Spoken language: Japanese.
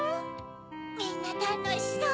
みんなたのしそう！